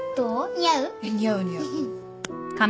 似合う似合う。